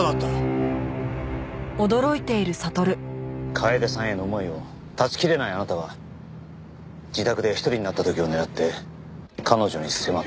楓さんへの思いを断ち切れないあなたは自宅で一人になった時を狙って彼女に迫った。